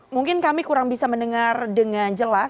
mungkin kami kurang bisa mendengar dengan jelas